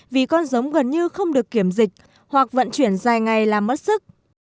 vì con giống gần như không được kiểm dịch hoặc vận chuyển dài ngày làm mất sức